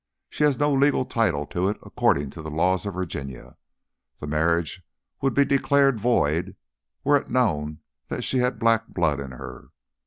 She has no legal title to it according to the laws of Virginia; the marriage would be declared void were it known that she had black blood in her.